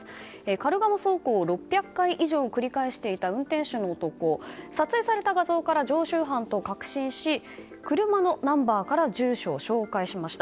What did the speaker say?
カルガモ走行を６００回以上繰り返していた運転手の男、撮影された画像から常習犯と確信し車のナンバーから住所を照会しました。